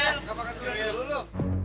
apa kan gua yang dulu